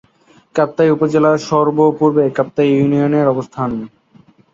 কাপ্তাই উপজেলার সর্ব-পূর্বে কাপ্তাই ইউনিয়নের অবস্থান।